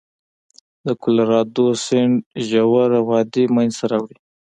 د کلورادو سیند ژوره وادي منځته راوړي.